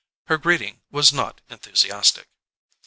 Her greeting was not enthusiastic.